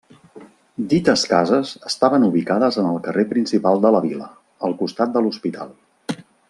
Dites cases estaven ubicades en el carrer principal de la vila, al costat de l'hospital.